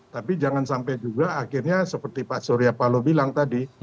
tapi jangan sampai juga akhirnya seperti pak surya palo bilang tadi